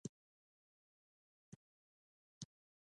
آزاد تجارت مهم دی ځکه چې جنګ کموي.